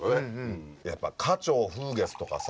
やっぱ「花鳥風月」とかさ